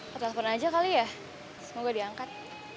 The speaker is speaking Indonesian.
lo telfon aja kali ya semoga diangkat